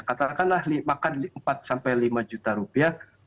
katakanlah makan empat sampai lima juta rupiah